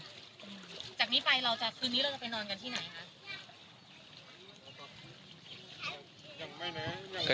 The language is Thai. แต่จากนี้ไปคืนนี้เราจะไปนอนกันที่ไหนครับ